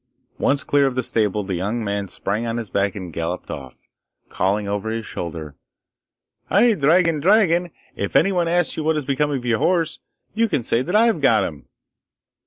Once clear of the stable the young man sprang on his back and galloped off, calling over his shoulder, 'Hi! dragon! dragon! if anyone asks you what has become of your horse, you can say that I have got him!